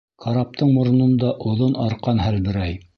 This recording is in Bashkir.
Караптың морононда оҙон арҡан һәлберәй.